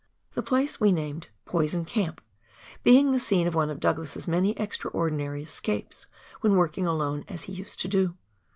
The place we named " Poison Camp," being the scene of one of Douglas's many extraordinary escapes, when working alone as he used to do.